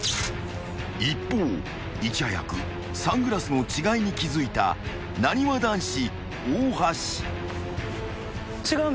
［一方いち早くサングラスの違いに気付いたなにわ男子大橋］